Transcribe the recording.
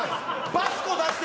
バスコ出した！